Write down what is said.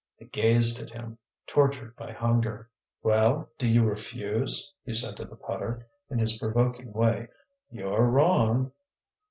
They gazed at him, tortured by hunger. "Well, do you refuse?" he said to the putter, in his provoking way. "You're wrong."